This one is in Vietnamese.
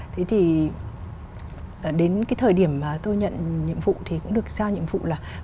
thế thì đến cái thời điểm mà tôi nhận nhiệm vụ thì cũng được giao nhiệm vụ là